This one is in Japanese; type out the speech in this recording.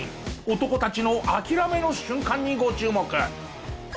男たちの諦めの瞬間にご注目。